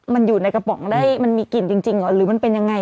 มันอยู่ในกระป๋องได้มันมีกลิ่นจริงเหรอหรือมันเป็นยังไง